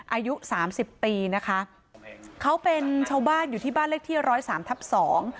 อายุสามสิบปีนะคะเขาเป็นชาวบ้านอยู่ที่บ้านเลขที่ร้อยสามทับสอง